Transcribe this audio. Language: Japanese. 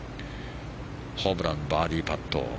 ホブラン、バーディーパット。